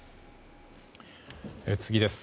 次です。